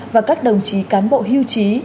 và các đồng chí cán bộ hưu trí